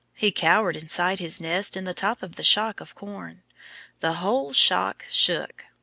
He cowered inside his nest in the top of the shock of corn. The whole shock shook.